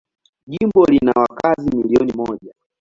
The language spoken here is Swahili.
Jimbo lina wakazi milioni moja.